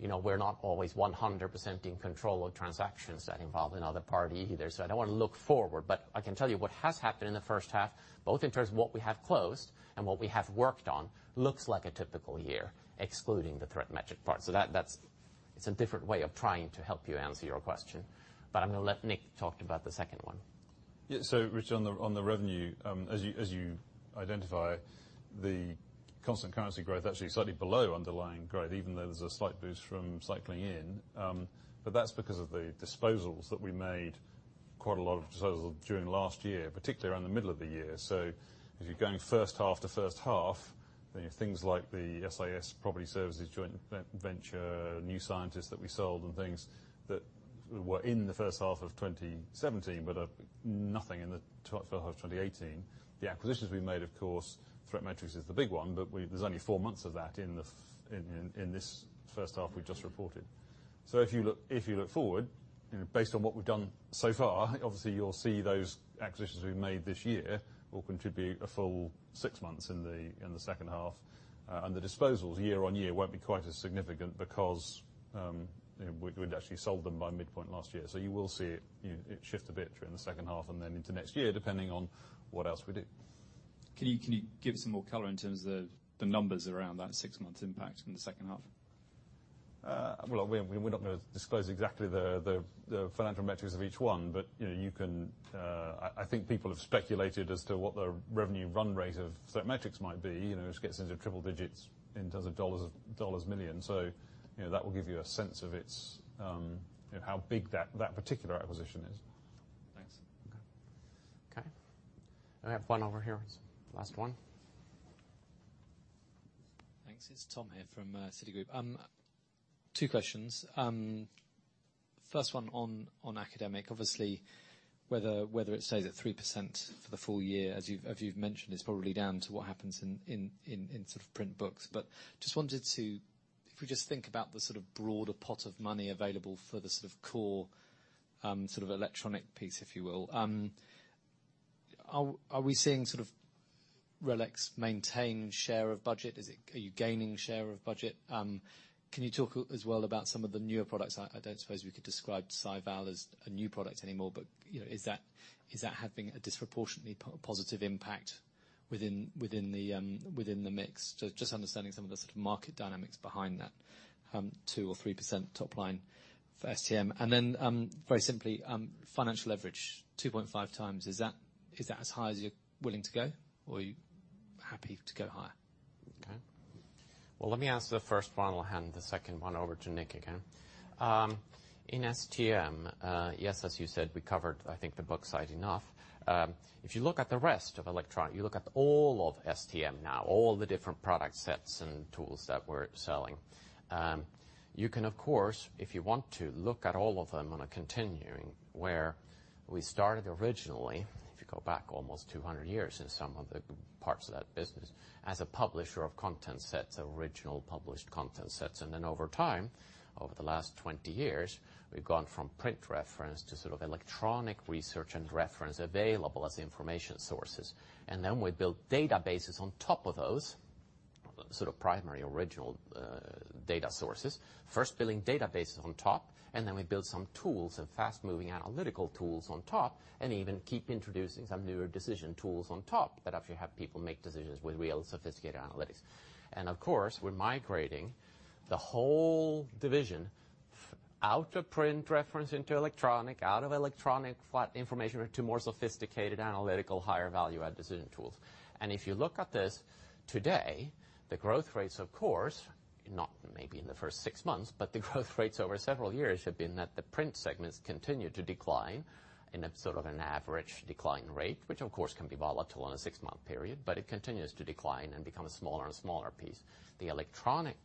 We're not always 100% in control of transactions that involve another party either. I don't want to look forward, but I can tell you what has happened in the first half, both in terms of what we have closed and what we have worked on, looks like a typical year, excluding the ThreatMetrix part. It's a different way of trying to help you answer your question. I'm going to let Nick talk about the second one. Yeah. Rich, on the revenue, as you identify, the constant currency growth actually slightly below underlying growth, even though there's a slight boost from cycling in. That's because of the disposals that we made quite a lot of disposals during last year, particularly around the middle of the year. As you're going first half to first half, things like the SIS Property Services joint venture, New Scientist that we sold, and things that were in the first half of 2017 but nothing in the first half of 2018. The acquisitions we made, of course, ThreatMetrix is the big one, but there's only four months of that in this first half we just reported. If you look forward, based on what we've done so far, obviously you'll see those acquisitions we've made this year will contribute a full six months in the second half. The disposals year-over-year won't be quite as significant because we'd actually sold them by midpoint last year. You will see it shift a bit during the second half and then into next year, depending on what else we do. Can you give some more color in terms of the numbers around that six months impact in the second half? Well, we're not going to disclose exactly the financial metrics of each one. I think people have speculated as to what the revenue run rate of ThreatMetrix might be. It gets into triple digits in terms of dollars million. That will give you a sense of how big that particular acquisition is. Thanks. Okay. I have one over here. Last one. Thanks. It's Tom here from Citigroup. Two questions. First one on Academic. Obviously, whether it stays at 3% for the full year, as you've mentioned, is probably down to what happens in sort of print books. If we just think about the sort of broader pot of money available for the sort of core electronic piece, if you will, are we seeing RELX maintain share of budget? Are you gaining share of budget? Can you talk as well about some of the newer products? I don't suppose we could describe SciVal as a new product anymore, but is that having a disproportionately positive impact within the mix? Just understanding some of the sort of market dynamics behind that 2% or 3% top line for STM. Very simply, financial leverage 2.5 times, is that as high as you're willing to go or are you happy to go higher? Okay. Well, let me answer the first one. I'll hand the second one over to Nick again. In STM, yes, as you said, we covered I think the book side enough. If you look at the rest of electronic, you look at all of STM now, all the different product sets and tools that we're selling. You can, of course, if you want to look at all of them on a continuing where we started originally, if you go back almost 200 years in some of the parts of that business as a publisher of content sets, original published content sets. Over time, over the last 20 years, we've gone from print reference to sort of electronic research and reference available as information sources. We built databases on top of those sort of primary original data sources, first building databases on top. Then we built some tools and fast moving analytical tools on top. Even keep introducing some newer decision tools on top that actually help people make decisions with real sophisticated analytics. Of course, we're migrating the whole division out of print reference into electronic, out of electronic flat information to more sophisticated analytical, higher value-add decision tools. If you look at this today, the growth rates, of course, not maybe in the first six months, but the growth rates over several years have been that the print segments continue to decline in a sort of an average decline rate, which of course can be volatile on a six-month period, but it continues to decline and become a smaller and smaller piece. The electronic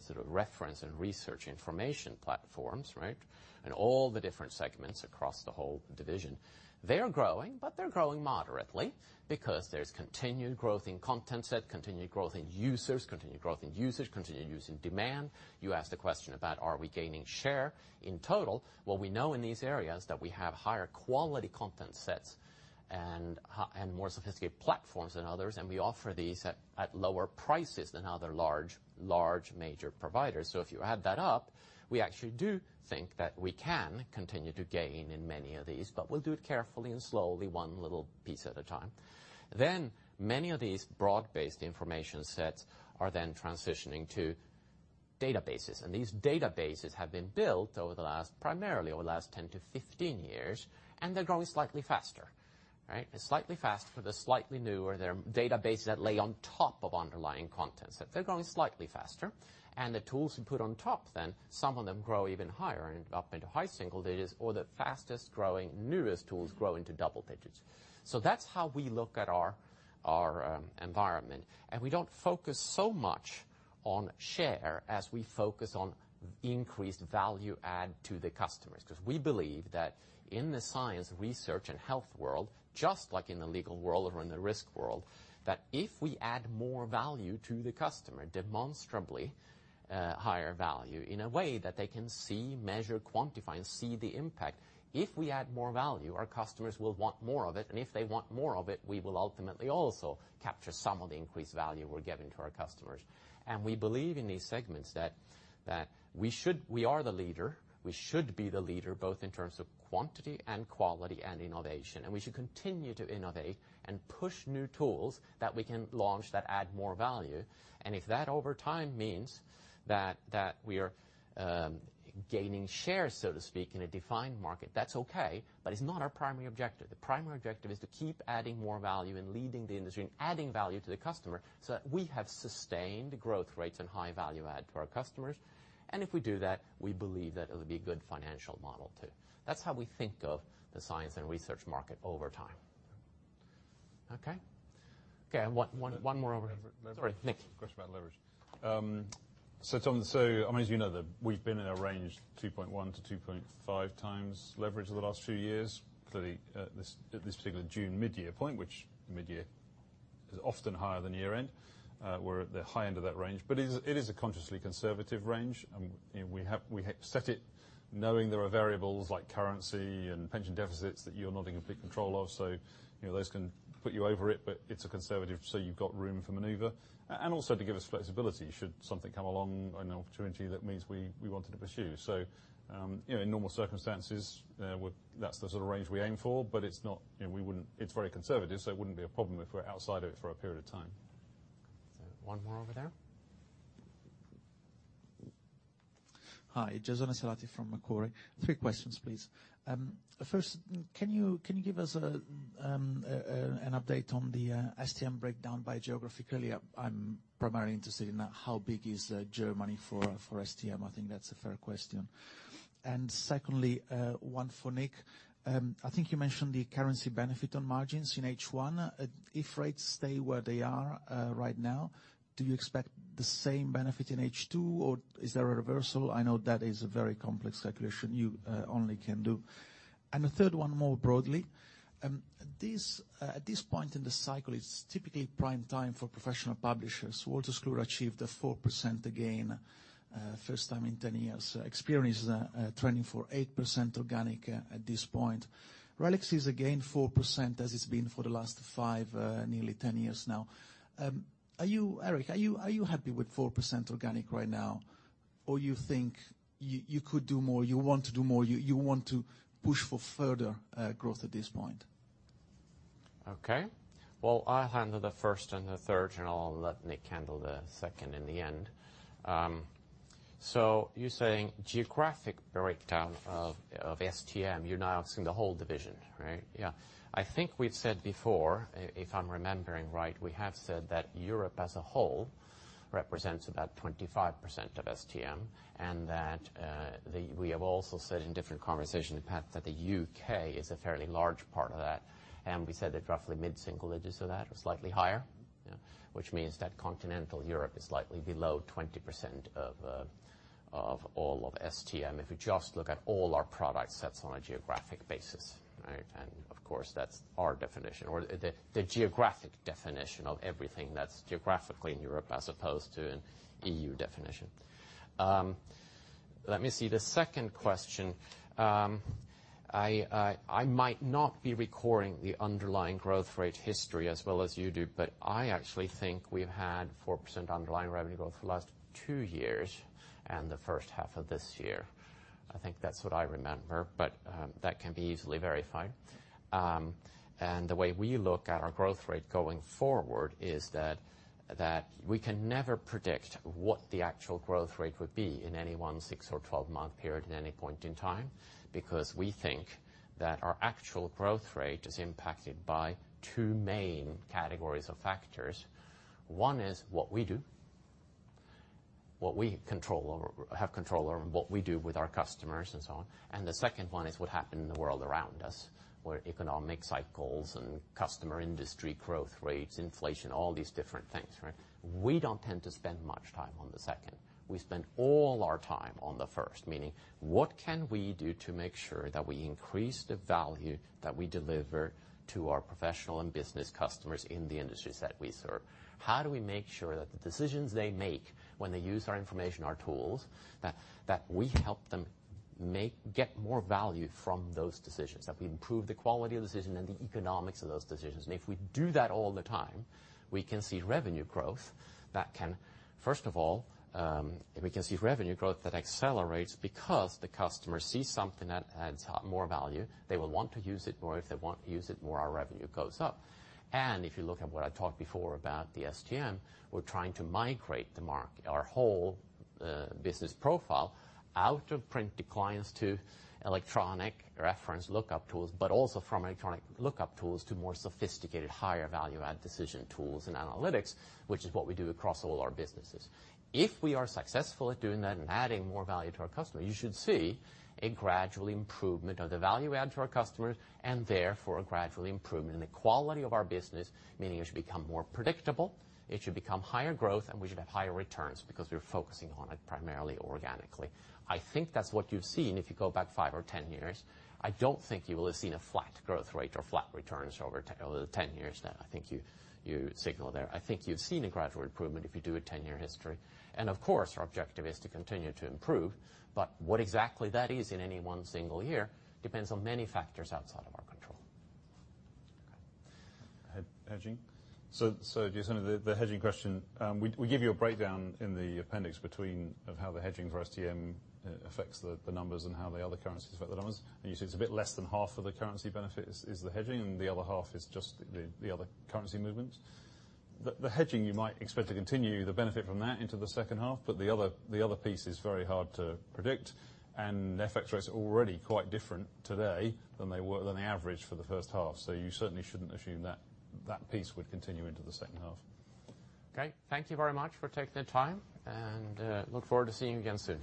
sort of reference and research information platforms, right, and all the different segments across the whole division, they are growing, but they're growing moderately because there's continued growth in content set, continued growth in users, continued growth in usage, continued usage demand. You asked a question about are we gaining share in total? What we know in these areas that we have higher quality content sets and more sophisticated platforms than others, and we offer these at lower prices than other large major providers. If you add that up, we actually do think that we can continue to gain in many of these, but we'll do it carefully and slowly, one little piece at a time. Many of these broad-based information sets are then transitioning to databases. These databases have been built primarily over the last 10 to 15 years, and they're growing slightly faster, right? Slightly faster for the slightly newer databases that lay on top of underlying content sets. They're growing slightly faster. The tools we put on top then some of them grow even higher and up into high single digits or the fastest growing newest tools grow into double digits. That's how we look at our environment. We don't focus on share as we focus on increased value add to the customers. We believe that in the science, research, and health world, just like in the legal world or in the risk world, that if we add more value to the customer, demonstrably higher value in a way that they can see, measure, quantify, and see the impact. If we add more value, our customers will want more of it, and if they want more of it, we will ultimately also capture some of the increased value we're giving to our customers. We believe in these segments that we are the leader. We should be the leader, both in terms of quantity and quality and innovation. We should continue to innovate and push new tools that we can launch that add more value. If that over time means that we are gaining share, so to speak, in a defined market, that's okay, but it's not our primary objective. The primary objective is to keep adding more value and leading the industry and adding value to the customer so that we have sustained growth rates and high-value add to our customers. If we do that, we believe that it'll be a good financial model, too. That's how we think of the science and research market over time. Okay? Okay, one more over here. Leverage. Sorry, Nick. Question about leverage. Tom, as you know, we've been in a range 2.1-2.5 times leverage over the last few years, clearly at this particular June mid-year point, which mid-year is often higher than year-end. We're at the high end of that range, but it is a consciously conservative range. We set it knowing there are variables like currency and pension deficits that you are not in complete control of. Those can put you over it, but it's conservative, so you've got room for maneuver. Also to give us flexibility should something come along, an opportunity that means we wanted to pursue. In normal circumstances, that's the sort of range we aim for, but it's very conservative, so it wouldn't be a problem if we're outside of it for a period of time. One more over there. Hi, Jason Asilati from Macquarie. Three questions, please. First, can you give us an update on the STM breakdown by geography? Clearly, I'm primarily interested in how big is Germany for STM. I think that's a fair question. Secondly, one for Nick. I think you mentioned the currency benefit on margins in H1. If rates stay where they are right now, do you expect the same benefit in H2, or is there a reversal? I know that is a very complex calculation you only can do. The third one more broadly. At this point in the cycle, it's typically prime time for professional publishers. Wolters Kluwer achieved a 4% gain, first time in 10 years. Experian is trending for 8% organic at this point. RELX is again 4% as it's been for the last five, nearly 10 years now. Erik, are you happy with 4% organic right now? You think you could do more, you want to do more, you want to push for further growth at this point? Well, I'll handle the first and the third, I'll let Nick handle the second in the end. You're saying geographic breakdown of STM. You're now asking the whole division, right? Yeah. I think we've said before, if I'm remembering right, we have said that Europe as a whole represents about 25% of STM, we have also said in different conversation path that the U.K. is a fairly large part of that, we said that roughly mid-single digits of that or slightly higher. Yeah. Which means that continental Europe is slightly below 20% of all of STM. If you just look at all our product sets on a geographic basis, right? Of course, that's our definition or the geographic definition of everything that's geographically in Europe as opposed to an EU definition. Let me see. The second question. I might not be recording the underlying growth rate history as well as you do, I actually think we've had 4% underlying revenue growth for the last two years and the first half of this year. I think that's what I remember, that can be easily verified. The way we look at our growth rate going forward is that we can never predict what the actual growth rate would be in any one six or 12-month period in any point in time, because we think that our actual growth rate is impacted by two main categories of factors. One is what we do, what we have control over, what we do with our customers and so on. The second one is what happened in the world around us, where economic cycles and customer industry growth rates, inflation, all these different things, right? We don't tend to spend much time on the second. We spend all our time on the first, meaning what can we do to make sure that we increase the value that we deliver to our professional and business customers in the industries that we serve? How do we make sure that the decisions they make when they use our information, our tools, that we help them get more value from those decisions? That we improve the quality of decision and the economics of those decisions. If we do that all the time, we can see revenue growth that can, first of all, if we can see revenue growth that accelerates because the customer sees something that adds more value, they will want to use it more. If they want to use it more, our revenue goes up. If you look at what I talked before about the STM, we're trying to migrate our whole business profile out of print declines to electronic reference lookup tools, but also from electronic lookup tools to more sophisticated, higher value add decision tools and analytics, which is what we do across all our businesses. If we are successful at doing that and adding more value to our customer, you should see a gradual improvement of the value add to our customers, and therefore, a gradual improvement in the quality of our business, meaning it should become more predictable, it should become higher growth, and we should have higher returns because we're focusing on it primarily organically. I think that's what you've seen if you go back 5 or 10 years. I don't think you will have seen a flat growth rate or flat returns over the 10 years that I think you signaled there. I think you've seen a gradual improvement if you do a 10-year history. Of course, our objective is to continue to improve. What exactly that is in any one single year depends on many factors outside of our control. Hedging? Jason, the hedging question. We give you a breakdown in the appendix between of how the hedging for STM affects the numbers and how the other currencies affect the numbers. You see it's a bit less than half of the currency benefit is the hedging, and the other half is just the other currency movement. The hedging, you might expect to continue the benefit from that into the second half, the other piece is very hard to predict. FX rates are already quite different today than they were than the average for the first half. You certainly shouldn't assume that that piece would continue into the second half. Okay. Thank you very much for taking the time, look forward to seeing you again soon.